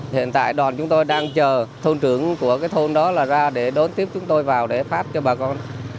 hiện tại đoàn chúng tôi đang chờ thôn trưởng của cái thôn đó là ra để đón tiếp chúng tôi vào để phát cho bà con